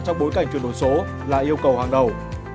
trong bối cảnh chuyển đổi số là yêu cầu hàng đầu